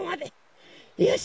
よし！